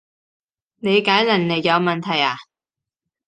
理解能力有問題呀？